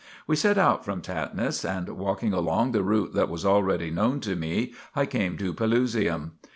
We set out from Tatnis and, walking along the route that was already known to me, I came to Pelusium.